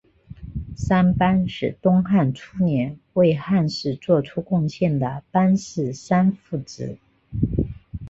三班是东汉初年为汉室作出贡献的班氏三父子。